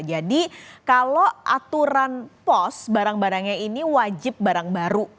jadi kalau aturan pos barang barangnya ini wajib barang baru